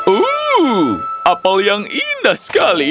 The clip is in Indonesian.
uu apel yang indah sekali